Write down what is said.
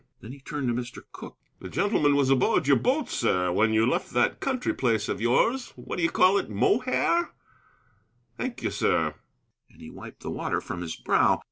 Then he turned to Mr. Cooke. "The gentleman was aboard your boat, sir, when you left that country place of yours, what d'ye call it? Mohair? Thank you, sir." And he wiped the water from his brow.